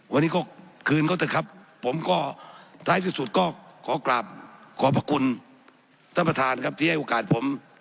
วันนี้ก็คืนก็ได้ครับผมก็ท้ายที่สุดก็ขอประกุลท่านประธานครับที่ให้โอกาสผม